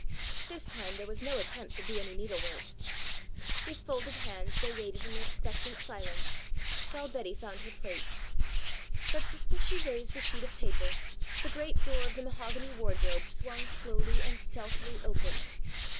This time there was no attempt to do any needlework. With folded hands they waited in expectant silence, while Betty found her place. But just as she raised the sheet of paper, the great door of the mahogany wardrobe swung slowly and stealthily open.